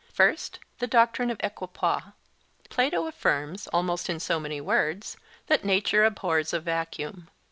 First, the doctrine of equipoise. Plato affirms, almost in so many words, that nature abhors a vacuum.